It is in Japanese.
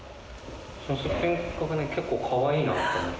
そのすっぴんが結構かわいいなとか思って。